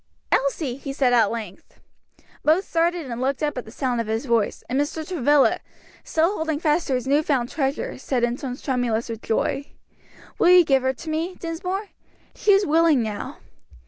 "Elsie!" he said at length. Both started and looked up at the sound of his voice, and Mr. Travilla, still holding fast to his new found treasure, said in tones tremulous with joy, "Will you give her to me, Dinsmore? she is willing now."